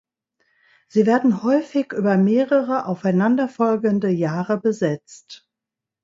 Sie werden häufig über mehrere, aufeinanderfolgende Jahre besetzt.